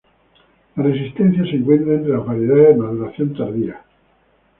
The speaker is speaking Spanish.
La resistencia se encuentra entre las variedades de maduración tardía.